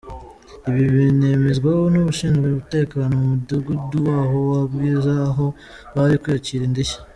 Ibi binemezwa n’ushinzwe umutekano mu mudugudu waho wa Bwiza aho bari kwakira indishyi.